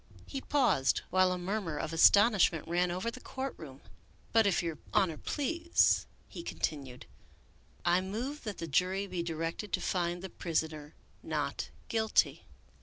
He paused while a murmur of astonishment ran over the court room. " But, if your Honor please," he continued, " I move that the jury be directed to find the prisoner not guilty."